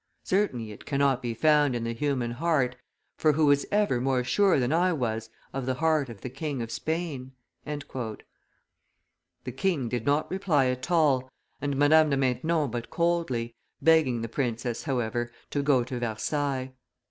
Certainly it cannot be found in the human heart, for who was ever more sure than I was of the heart of the King of Spain?" The king did not reply at all, and Madame de Maintenon but coldly, begging the princess, however, to go to Versailles.